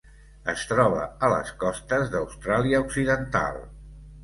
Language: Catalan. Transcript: Es troba a les costes d'Austràlia Occidental.